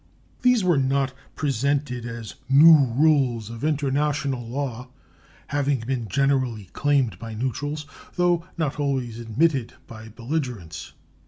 These were not presented as new rules of international law, having been generally claimed by neutrals, though not always admitted by belligerents.